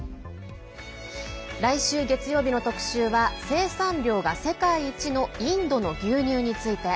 来週月曜日の特集は、生産量が世界一のインドの牛乳について。